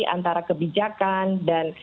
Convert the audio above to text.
antara kebijakan dan